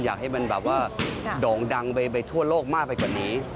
อยากให้มันแบบว่าโด่งดังไปทั่วโลกมากไปกว่านี้